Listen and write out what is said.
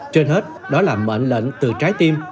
trên hết đó là mệnh lệnh từ trái tim